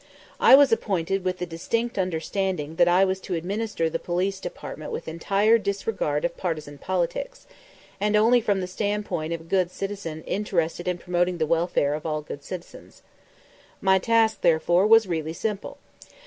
I was appointed with the distinct understanding that I was to administer the Police Department with entire disregard of partisan politics, and only from the standpoint of a good citizen interested in promoting the welfare of all good citizens. My task, therefore, was really simple.